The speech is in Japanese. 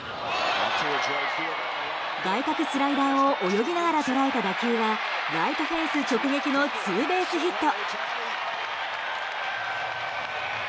外角スライダーを泳ぎながら捉えた打球はライトフェンス直撃のツーベースヒット。